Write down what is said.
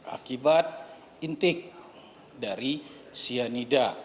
akibat intik dari cyanida